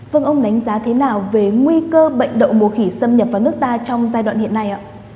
vâng ông đánh giá thế nào về nguy cơ bệnh đậu mùa khỉ xâm nhập vào nước ta trong giai đoạn hiện nay ạ